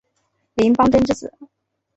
林邦桢之子。